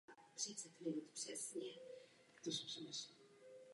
Je zde uloženo několik set lebek zesnulých.